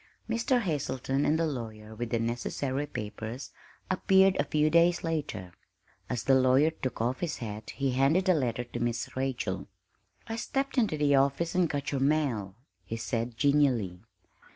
Mr. Hazelton and the lawyer with the necessary papers appeared a few days later. As the lawyer took off his hat he handed a letter to Miss Rachel. "I stepped into the office and got your mail," he said genially.